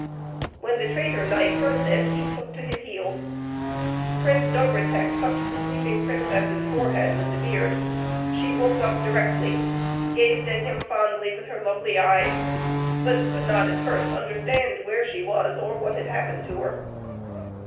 When the traitor knight heard this he took to his heels; Prince Dobrotek touched the sleeping princess's forehead with the beard, she woke up directly, gazed at him fondly with her lovely eyes, but could not at first understand where she was, or what had happened to her.